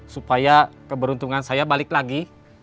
supaya keberuntungan saya balik lagi